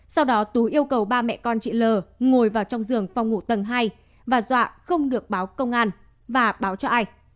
sau đó tú yêu cầu ba mẹ con chị l ngồi vào trong giường phòng ngủ tầng hai và dọa không được báo công an và báo cho ai